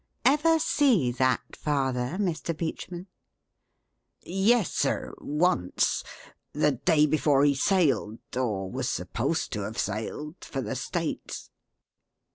Ever see that 'father,' Mr. Beachman?" "Yes, sir, once; the day before he sailed or was supposed to have sailed for the States."